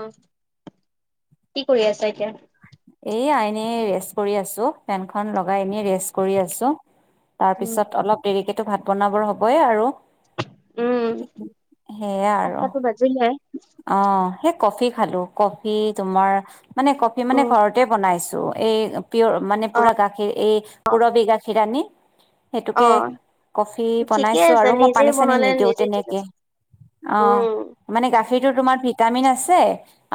অ কি কৰি আছ এতিয়া? এ আইনে ৰেষ্ট কৰি আছো ফেনখন লগাই আনে ৰেষ্ট কৰি আছো। তাৰ উম পিছত অলপ দেৰিকেতো ভাত বনাবৰ হ'বই আৰু। উম সেয়া আৰু। সাতটাতো বাজিলে। অ সেই কফি খালো কফি তোমাৰ মানে কফি মানে উম ঘৰতে বনাইছো এই পিয়ৰ মানে অ পুৰা গাখীৰ এই অ পুৰবি গাখীৰ আনি অ সেইটোকে কফি ঠিকে বনাইছো আছে আৰু মই নিজে পানী চানী বনালে নিদিও নিজে ঠিক তেনেকে। আছে অ উম মানে গাখীৰটো তোমাৰ ভিটামিন আছে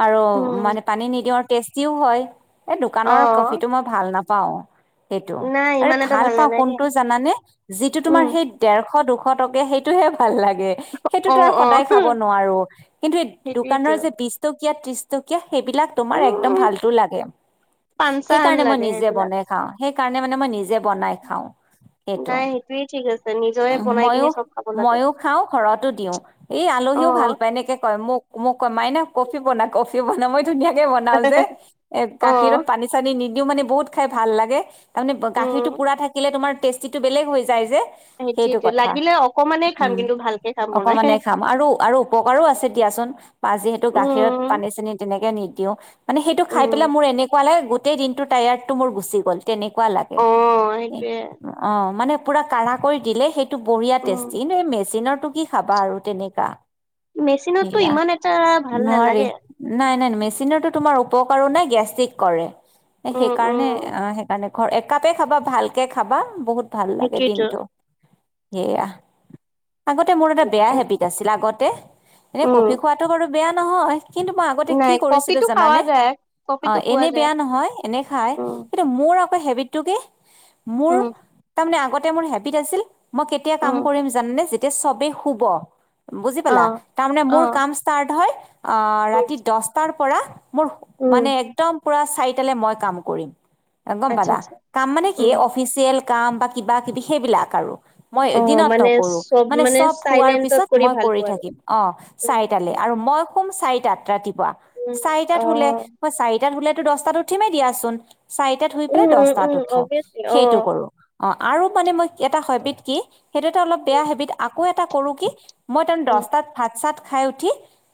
আৰু উম মানে পানী নিদিওঁ তাষ্টিও হয়। এই অ দোকানৰ কফিটো মই ভাল নাপাও। সেইটো নাই আৰু ইমান এটা ভাল পাও নালাগে কোনটো জানানে যিটো তোমাৰ উম সেই ডেৰশ দুশ সতকে সেইটোহে ভাল লাগে অ সেইটোতো আৰু অ সদায় খাব নোৱাৰো। কিন্তু এই সেইটোৱেইতো দোকানৰ যে বিশ টকীয়া ত্ৰিছ টকীয়া। সেইবিলাক তোমাৰ একদম উম ফালতো লাগে। পাঞ্চা হেন সেইকাৰণে মই লাগে নিজে সেইবিলাক বনাই খাও। সেই কাৰণে মানে মই নিজে বনাই খাওঁ। এইটো নাই সেইটোয়ে ঠিক আছে নিজৰে উ বনাই কিনি মইয়ো চব খাব লাগে মইয়ো খাওঁ ঘৰতো দিও। এই অ আলহীও ভাল পায় এনেকে কয় মোক মোক কয় মাইনা কফি বনা কফি বনা মই ধুনীয়াকে বনাওঁ যে এ অ গাখীৰত পানী চানী নিদিও মানে বহুত খাই ভাল লাগে। তাৰমানে উম গাখীৰটো পুৰা থাকিলে তোমাৰ টেষ্টি টো বেলেগ হৈ যায় যে। সেইটো সেইটোয়েতো কথা লাগিলে অকমানে খাম উম কিন্তু ভালকে খাম বনাই অকমানে খাম আৰু আৰু উপকাৰো আছে দিয়া। বা যিহেতু গাখীৰত উম পানী চানি তেনেকে নিদিও মানে সেইটো খাই উম পেলাই মোৰ এনেকুৱা লাগে গোটে গোটেই দিনটো টায়াৰ্ডটো মোৰ গুচি গ'ল তেনেকুৱা লাগে। অ সেইটোয়ে অ মানে পুৰা কাঢ়া কৰি দিলে সেইটো বঢ়িয়া উম, টেষ্টি এই মেচিনৰটো কি খাবা আৰু তেনেকা। মেচিনতটো সেয়া ইমান এটা ভাল নোৱাৰি নালাগে। নাই নাই মেচিনতো তোমাৰ উপকাৰ নাই গেষ্টিক কৰে উম, উম, সেইকাৰণে সেইকাৰণে ধৰ একাপে খাবা ভালকে খাবা বহুত ভাল লাগে সেইটোৱেইটো দিনটো। সেয়া আগতে মোৰ এটা বেয়া হেবিট আছিল আগতে এনে উম, কফি খোৱাটো বাৰু বেয়া নহয় কিন্তু মই আগতে নাই কি কৰিছিলো কফিটো খাৱা জানানে যায়, অ কফিটো খোৱা এনে যায়। বেয়া নহয় এনে খাই উম, কিন্তু মোৰ হেবিটো কি মোৰ উম, তাৰ মানে আগতে মোৰ হেবিট আছিল মই কেতিয়া কাম উম, কৰিম জানানে যেতিয়া চবেই শুব বুজি পালা অ', তাৰমানে মোৰ অ', কাম ষ্টাৰ্ট হয় আহ উম, ৰাতি দছটাৰ পৰা মোৰ উম, মানে একদম পুৰা চাৰিটা লে মই কাম কৰিম গম আচ্ছা, পালা আচ্ছা, কাম মানে কি উম। অফিচিয়েল কাম বা কিবা কিবি সেইবিলাক আৰু মই অ', দিনত মানে নকৰো মানে চব শোৱাৰ চাইলেন্টত পিছত মই ভাল কৰি পোৱা আৰু। থাকিম অ উম, চাৰিটালে আৰু মই শুম চাৰিটাত ৰাতিপুৱা উম, চাৰিটাত শুলে অ', মই চাৰিটাত শুলে দছটাত উঠিমে দিয়া চোন চাৰিটাত শুই পেলাই উম, দছটাত উম, উঠো অভিয়াচলি সেইটো অ'। কৰো অ আৰু মানে মই এটা হেবিট কি সেইটো এটা অলপ বেয়া হেবিট আকৌ এটা কৰো কি মই তামানে উম, দছটাত ভাত চাত খাই উঠি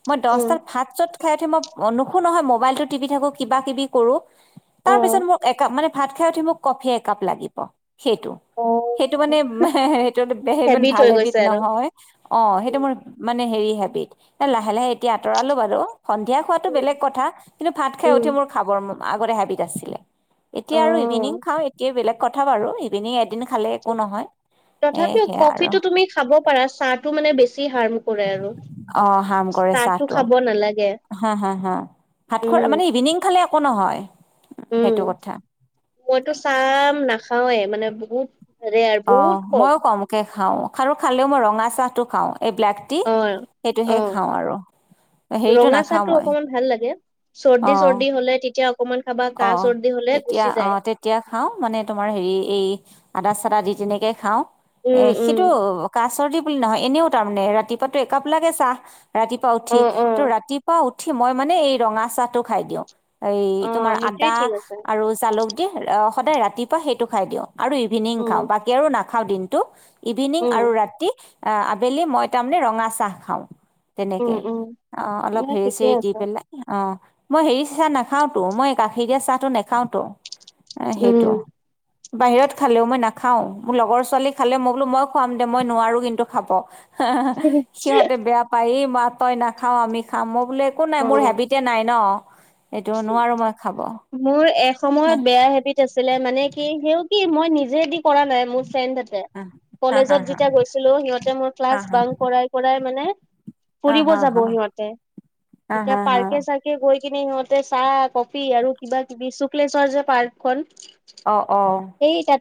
মই উম, দছটাত ভাত চাত খাই উঠি মই নুশু নহয় মোবাইলতো টিপি থাকো কিবা কিবি কৰো তাৰ অ', পিছত মোক এক মানে ভাত খাই উঠি মোক কফি একাপ লাগিব সেইটো সেইটো অ', মানে সেইটো ইমান হেবিট ভাল হৈ হেবিদ গৈছে আৰু। নহয় অ সেইটো মোৰ মানে হেৰি হেবিত এলাহে লাহে এতিয়া আঁতৰালো বাৰু সন্ধিয়া খোৱাটো বেলেগ উম, কথা কিন্তু ভাত খাই উম, উঠি মোৰ খাবৰ মো আগতে হেবিট আছিলে এতিয়া আৰু অ'। ইভিনিং খাওঁ এতিয়া বেলেগ কথা বাৰু ইভিনিং এ এদিন খালে একো নহয় তথাপিও সেয়া আৰু কফিটো তুমি খাব পাৰা চাহটো মানে বেছি হাৰ অ হাম কৰে চাহটো খাব নালাগে হা হা হা ভাত খোৱাৰ উম মানে ইভিনিং খালে একো নহয় উম সেইটো কথা মইতো চাম নাখাওৱে মানে বহুত ৰেয়াৰ অ বহুত কম মইও কমকে খাও খাৰু খালেও মই ৰঙা চাহটো খাও এই ব্লেক টি অ সেইটোহে অ খাওঁ আৰু হেৰিটো ৰঙা চাহ নাখাওঁ টো মই অকমান ভাল লাগে চৰ্দি অঁ চৰ্দি হলে তেতিয়া অকমান খাবা অ কাহ চৰ্দি হলে তেতিয়া গুচি অ যায় তেতিয়া খাওঁ মানে তোমাৰ হেৰি এই আদা চদা দি তেনেকৈ খাওঁ উম উম সেইটো কা চৰ্দি বুলি নহয় এনেও তাৰমানে ৰাতিপুৱা একাপ লাগে চাহ, ৰাতিপুৱা অ উঠি অ ত' ৰাতিপুৱা উঠ- উঠি মই মানে এই ৰঙা চাহটো খাই দিওঁ এই অ তোমাৰ সেইটোৱে আদা ঠিক আছে আৰু জালুক কি ৰ সদায় ৰাতিপুৱা সেইটো খাই দিওঁ আৰু ইভিনিং উম খাওঁ বাকি আৰু নাখাও দিনটো ইভিনিং উম আৰু ৰাতি আবেলি মই তাৰমানে ৰঙা চাহ খাওঁ উম তেনেকে উম অ অলপ নাই হেৰি ঠিকে চেৰি দি আছে পেলাই অ মই হেৰি চাহ নাখাও তো মই গাখীৰ দিয়া চাহটো নেখাও তো সেইটো উম বাহিৰত খালেও মই নাখাও মোৰ লগৰ ছোৱালী খালে মই বোলো মই খোৱাম দে মই নোৱাৰো কিন্তু খাব সিহঁতে বেয়া পায়েই বা তই নাখাও আমি খাম বোলে একো নাই মোৰ অ হেবিতে নাই ন সেইটো নোৱাৰো মই খাব সময়ত বেয়া হেবিট আছিলে মানে কি সেও কি মই নিজে দি কৰা নাই মোৰ ফ্ৰেণ্ডহঁতে হা হা কলেজত হা যেতিয়া গৈছিলো সিহঁতে মোৰ হা ক্লাছ হা বাউন কৰাই কৰাই মানে হা ফুৰিব হা যাব হা সিহতে হা হা তেতিয়া হা পাৰ্কে চাৰ্কে গ গৈ কিনে সিহঁতে চাহ কফি আৰু কিবা কিবি শুক্লেশ্বৰ যে পাৰ্কখন অ অ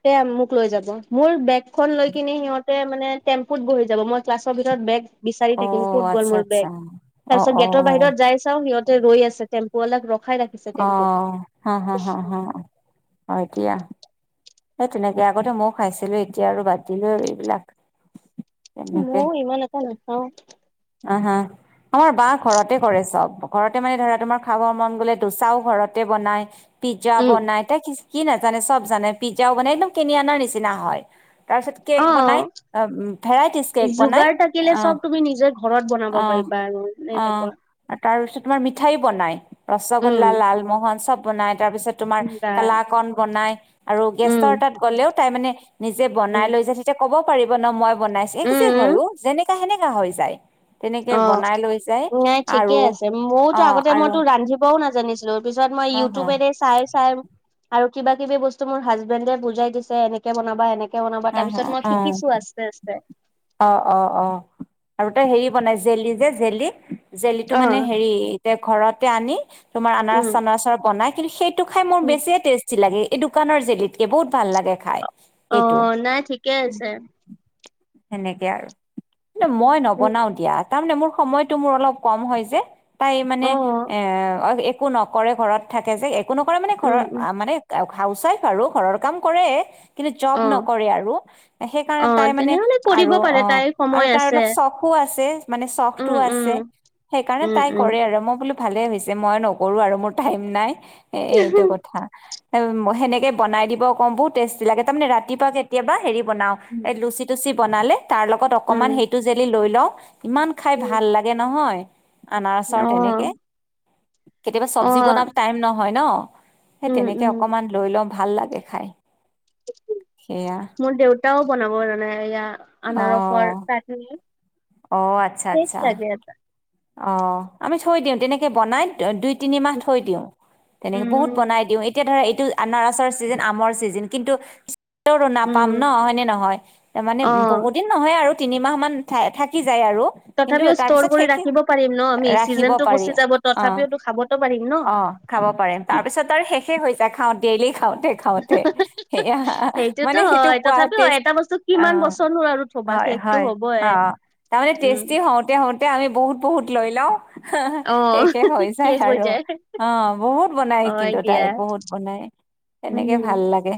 সেয়াত মোক লৈ যাব মোৰ বেগখন লৈ কিনে সিহঁতে মানে টেম্পুত বহি যাব মই ক্লাছৰ ভিতৰত বেগ বিচাৰি অ থাকিম কত গ'ল আচ্ছা মোৰ বেগ আচ্ছা তাৰ অ পিছত অ গেটৰ অ বাহিৰত তাই চাওঁ সিহঁতে ৰৈ আছে টেম্পু অলাক ৰখ অহ হা হা হা হা হয় এতিয়া সেই তেনেকে আগতে ময়ো খাইছিলো এতিয়া আৰু বাদ দিলো আৰু এইবিলাক তেনেকে ময়ো ইমান এটা নাখাওঁ অহ হা আমাৰ বা ঘৰতে কৰে চব ঘৰতে মানে ধৰা তোমাৰ খাব মন গলে দোচাও ঘৰতে বনাই পিজ্জা উম বনাই তাই কি কি নাজানে চব জানে পিজ্জাও বনাই একদম কিনি অনাৰ নিচিনা হয় তাৰপিছত কেক অ বনাই ভেৰাইটিজ কেক বনাই যোগাৰ অহ অহ। বাৰু নেনেকুৱা আৰু তাৰপিছত তোমাৰ মিঠাই বনাই উম। ৰসগোল্লা, লালমোহন চব। বনাই তাৰ পিছত তোমাৰ বা কালাকন বনাই আৰু গেষ্টৰ উম তাত গ'লেও তাই মানে নিজে বনাই উম লৈ যায় তেতিয়া কব পাৰিব ন মই বনাইছো উম এক্সজেক হয় অ যেনেকা সেনেকা হৈ যায়। তেনেকে অহ বনাই লৈ যায় নাই ঠিকে আৰু আছে অ ময়ো আগতে আৰু মইতো ৰান্ধিবও নাজ- জানিছিলো পিছত মই অ অ ইউটিউৰে চাই চাই আৰু কিবা কিবি বস্তু মোৰ হাজবেণ্ডে বুজাই দিছে এনেকে বনাবা এনেক- কে বনাবা তাৰ পিছত মই শিকিছো আস্তে আস্তে। অহ অহ অহ আৰু তই হেৰি বনাই জেলি যে জেলি জেলিটো অ মানে হেৰি এতিয়া ঘৰতে আনি তোমাৰ আনাৰ উম চানাৰৰ বনাই কিন্তু সেই টো খাই মোৰ উম বেছিয়েই টেষ্টি লাগে এই দোকানৰ জেলিতকে বহুত ভাল লাগে খাই। সেইটো অহ নাই ঠিকেই আছে। তেনেকে আৰ কিন্তু মই উম নবনাও দিয়াত। তাৰ মানে মোৰ সময়তটো মোৰ অলপ কম হয় যে তাই অ মানে এ একো নকৰে ঘৰত থাকে যে একো নকৰে মানে ঘৰ উম উম মানে অক- হাউচ ৱাইফ আৰু ঘৰৰ কাম কৰে কিন্তু অ জৰ্ নকৰে আৰু সেইকাৰণে অ তাই মানে তেনেহলে কৰিব আৰু পাৰে অহ তাইৰ আৰু সময় তাৰ আছে অলপ চখো আছে মানে চখোটোও উম উম আছে। সেইকাৰণে উম তাই কৰে উম আৰু মোক মই বোলো ভালে হৈছে মই নকৰো আৰু মোৰ টাইম নাই এইটো কথা। সেই মই সেনেকে বনাই দিব কম বহুত টেষ্টি লাগে তাৰমানে ৰাতিপুৱা কেতিয়াবা হেৰি বনাও উম। এ লুচি তুচি বনালে তাৰ লগত অকনমান উম, সেইটো জেলি লৈ লওঁ। ইমান খাই উম, ভাল লাগে নহয়। আনাৰসৰ তেনেকে অ', কেতিয়াবা চব্জি অ', বনাত টাইম নহয় ন। সেই উম, তেনেকে উম। অকমান লৈ লওঁ ভাল লাগে খাই। সেয়া মোৰ দেউতাও বনাব জানে এয়া অ আনাৰসৰ চাটনি। অ' আচ্ছা - টেষ্ট আচ্ছা। লাগে এটা। অহ আমি থৈ দিওঁ তেনেকে বনাই দুই তিনিমাহ থৈ দিওঁ তেনেকে উম, বহুত বনাই দিওঁ এতিয়া ধৰা এইট- আনাৰসৰ চিজেন, আমৰ চিজেন কিন্তু তোৰো উম, নাপাম ন হয়নে নহয় তাৰ মানে বহু অ'। দিন নহয় আৰু তিনিমাহ মান থা থাকি যায় আৰু কিন্তু তথাপিও তাৰ ষ্ট'ৰ পিছত কৰি শেষে ৰাখিব পাৰিম ন আমি ৰাখিব চিজনটো পাৰি গুচি যাব অহ তথাপিওতো খাবতো পাৰিম ন। অহ খাব পাৰিম তাৰপিছত আৰু শেষ। শেষে হৈ যায়, খাওঁ ডেইলি খাওঁ। তে খাওঁতে সেয়া সেইটোতো মানে সেইটো হয় তথাপিও খোৱাটেষ্ট এটা বস্তু কিমান বছৰনো আৰু থবা অহ শেষটো হয় হ'বই। অহ তাৰেমানে উম, টেষ্টি হতে হওঁতে আমি বহুত বহুত লৈ লও অ', সেহ শেষ হৈ যায় শেষ হৈ আৰু। অহ বহুত বনাই হয় কিন্তু দিয়া তাই বহুত বনাই, উম। তেনেকে ভাল লাগে।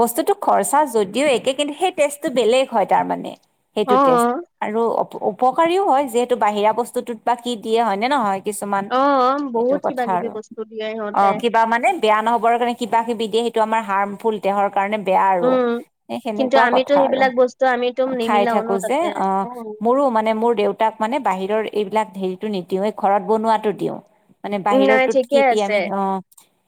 বস্তুতটো খৰচা যদিও একে কিন্তু সেই টৈষ্টটো বেলেগ হয় তাৰমানে সেইটো টেষ্ট অ', আৰু উপকাৰীও হয় যিহেতু বাহিৰা বস্তুটোত বা কি দিয়ে হয় নে নহয়? কিছুমান অ', বহুত এইটো কিবা কথা কিবি আৰু, বস্তু দিয়ে অ সিহঁতে কিবা মানে বেয়া নহবৰ কাৰণে কি- কিবা কিবি দিয়ে সেইটো আমাৰ হাৰ্মফুল দেহৰ কাৰণে বেয়া আৰু উম। এ কিন্তু সেনেকুৱা আমিতো কথা আৰু। সেইবিলাক বস্তু আমিতো খাই নিমিলাও ন থাকো যে তাতে। অ মোৰো মানে মোৰ দেউতাক মানে বাহিৰৰ এইবিলাক হেৰিটো নিদিওঁ এই ঘৰত বনোৱাটো দিওঁ। মানে নাই বাহিৰতটোত কি ঠিকে কি আছে। আমি অ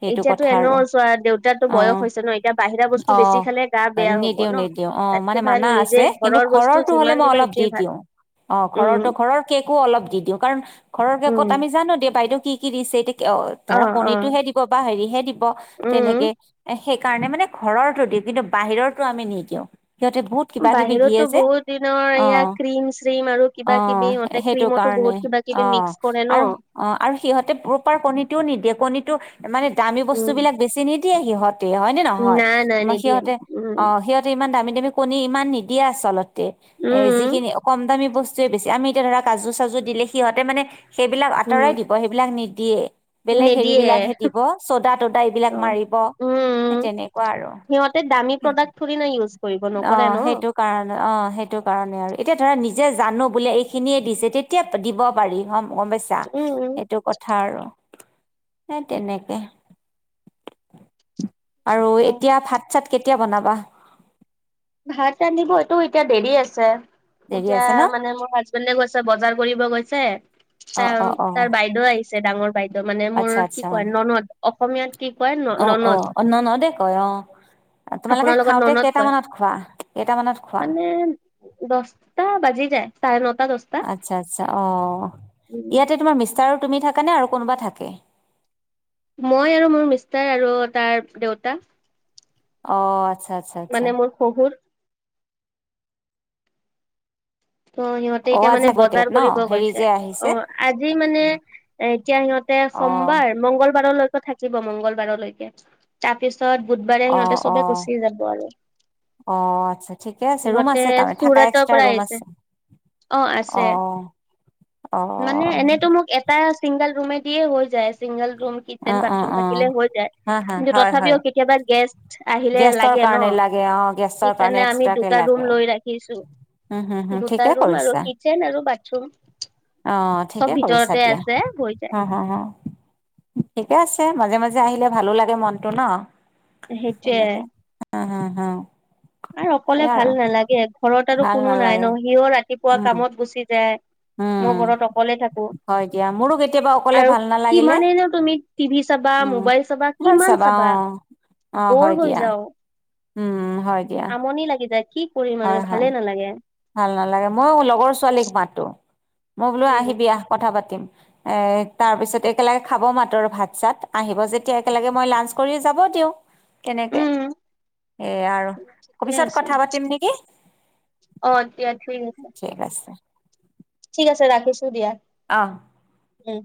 সেইটো এতিয়াতো কথা এনেও আৰু চোৱা দেউতাতো অ। বয়স হৈছে ন এতিয়া বাহিৰা বস্তু অ বেছি খালে গা বেয়া হ'ব নিদিও ন। নিদিও অ তাতকে মানে ভাল মানা নিজে আছে কিন্তু ঘৰৰ বস্তু ঘৰৰটো হ'লে যিমান মই দিবা অলপ সেইটোৱে দি- ভাল। দিওঁ অ ঘৰৰটো উম, ঘৰৰ কেকো অলপ অলপ দি দিওঁ কাৰণ ঘৰকে কত উম, আমি জানো দে কি বাইদেউ কি দিছে। অ ধৰা কণীটোহে দিব বা হেৰিহে দিব উম। তেনেকে এ সেইকাৰণে মানে ঘৰৰতো দিওঁ কিন্তু বাহিৰৰটো আমি নিদিওঁ। সিহঁতে বহুত কিবা-কিবি দিয়ে বাহিৰতো যে, বহুত দিনৰ এয়া অ'। ক্ৰীম চ্ৰীম আৰু কিবা কিবি অ'। ইহঁতে এ সেইটো ক্ৰীমতো কাৰণে। বহুত কিবা কিবি অ' মিক্স কৰে ন। আৰু- অ' আৰু সিহঁতে প্ৰপাৰ কণীটোও নিদিয়ে। কণীটো মানে দামী উম, বস্তুবিলাক বেছি নিদিয়ে সিহঁত তে হয় নে নহয়? নাই নাই আমাৰ নিদিয়ে সিহঁতে- উম, অ' সিহঁতে ইমান দামী - দামী কণী ইমান নিদিয়ে আচল দিয়ে। এ- উম, যিখিনি কম দামী বস্তুৱে বেছি। আমি এতিয়া ধৰা কাজু-চাজু দিলে, সিহঁতে মানে সেইবিলাক উম। আঁতৰাই দিব। সেইবিলাক নিদিয়ে। বেলেগ নিদিয়ে হেৰিবিলাকহে দিব, চ'দা-তদা এইবিলাক অ', মাৰিব। উম। সেই তেনেকুৱা আৰু। সিহঁতে দামী প্ৰডাক্ট থৰি না ইউজ কৰিব নকৰে অ' ন সেইটো কাৰণ- অ' সেইটো কাৰণে। আৰু এতিয়া ধৰা নিজ যে জানো বোলে এইখিনিয়ে দিছে, তেতিয়া প- দিব পাৰি। হ'ম গম পাইছা? উম। সেইটো কথা আৰু। সেই তেনেকে। আৰু এতিয়া ভাত চাত কেতিয়া বনাবা? ভাত ৰান্ধিব এইটো এতিয়া দেৰি আছে। দেৰি এতিয়া আছে ন মানে মোৰ হাজবেণ্ডে গৈছে, বজাৰ কৰিব গৈছে। অ তা- অ অ তাৰ বাইদেউ আহিছে, ডাঙৰ বাই বা মানে মোৰ আচ্ছা কি আচ্ছা কয়, ননদ। অসমীয়াত কি কয়? ন- অ অ ননদ। অ ন ন দে কয় অ তোমালোকে আপোনাৰ লগত খাওঁতে ননদ কয়। কেইটামানত খোৱা কেইটামানত খোৱা মানে দশটা বাজি যায়, চাৰে নটা-দশটা। আচ্ছা আচ্ছা অ' ইয়াতে তোমাৰ মিষ্টাৰ আৰু তুমি থাকা নে আৰু কোনোবা থাকে? মই আৰু মোৰ মিষ্টাৰ আৰু তাৰ দেউতা। অ'। আচ্ছা আচ্ছা আচ্ছা মানে মোৰ শহুৰ। তো সিহঁতে অ এতিয়া আজি মানে আগতে বজাৰ ন কৰিব হেৰি গৈছে। যে আহিছে অ' আজি মানে এতিয়া সিহঁতে অ সোমবাৰ মংগলবাৰলৈকে থাকিব, মংগলবাৰলৈকে। তাৰপিছত ছত বুধবাৰে অ সিহঁতে চবে অ গুচি যাব আৰু। অ আচ্ছা ঠিকে আছে ৰুম সিহঁতে আছে তাৰ থাকা চুৰাটৰ এক্সট্ৰা পৰা ৰুম আহিছে। আছে অ' আছে। অ মানে এনেতো মোক এটা এ ছিংগল ৰুমে দিয়ে হৈ যায়। ছিংগল ৰুম, অ কিচেন, অ বাথৰুম অ থাকিলে হৈ যায়। হা হা কিন্তু হয় হয় তথাপিও কেতিয়াবা গেছ আহিলে গেষ্টৰ লাগে কাৰণে ন'? লাগে অ গেষ্টৰ কাৰণে সেইকাৰণে আমি এক্সট্ৰাকে দুটা ৰুম লাগে লৈ ৰাখিছোঁ। উম হুম হুম দুটা ঠিকে ৰুম আৰু কৰিছা কিচেন আৰু বাথৰুম অ' চব ঠিকে কৰিছা ভিতৰতে দিয়া। আছে হৈ যায় হা - হা - হা। ঠিকে আছে। মাজে - মাজে আহিলে, ভালো লাগে মনটো ন'? সেইটোৱে। হা - হা - হা। আৰু অকলে ভাল নালাগে। ঘৰত আৰু ভাল কোনো নাই নালাগে ন'। ‌ সিও ৰাতিপুৱা উম কামত গুচি যায়। উম। মই ঘৰত অকলে থাকোঁ। হয় দিয়া মোৰো কেতিয়াবা অকলে আৰু ভাল নালাগিলে কিমানেই ন' তুমি টিভি চাবা, উম মোবাইল চাবা, কিমান চাবা? অ'। অ হয় বৰ হৈ দিয়া যাওঁ। উম হয় দিয়া আমনি লাগি যায়। কি কৰিম হয় আৰু, হয় ভালে নালাগে। ভাল নালাগে। মই লগৰ ছোৱালীক মাতো। মই বোলো উম আহিবি আহ, কথা পাতিম। এ তাৰ পিছত একেলগে খাব মাতো আৰু ভাত-চাত। আহিব যেতিয়া একেলগে মই লাঞ্চ কৰিও যাব তেওঁ তেনেকে। উম এ আৰু ঠিকে অফিচত আছে কথা পাতিম নেকি? অ' দিয়া, ঠিক আছে। ঠিক আছে ঠিক আছে, ৰাখিছোঁ দিয়া। অহ। উম।